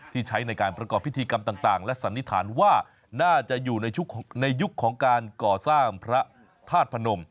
ใช้ในการประกอบพิธีกรรมต่างและสันนิษฐานว่าน่าจะอยู่ในยุคของการก่อสร้างพระธาตุพนม